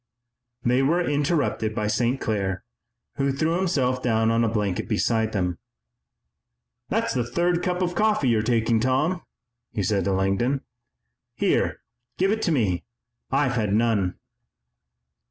They were interrupted by St. Clair, who threw himself down on a blanket beside them. "That's the third cup of coffee you're taking, Tom," he said to Langdon. "Here, give it to me. I've had none."